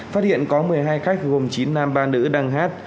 phát hiện có một mươi hai khách gồm chín nam ba nữ đang hát